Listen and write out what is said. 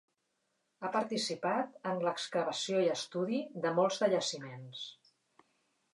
Ha participat en l'excavació i estudi de molts de jaciments.